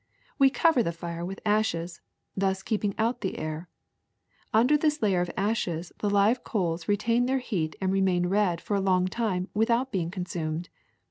We cover the fire with ashes, thus keeping out the air. Under this layer of ashes the live coals retain their heat and remain red for a long time without being consumed.